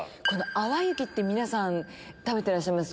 淡雪って皆さん食べてらっしゃいます。